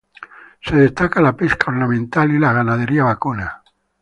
Se destaca la pesca ornamental y la ganadería vacuna.